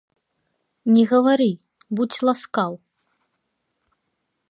Не гавары, будзь ласкаў!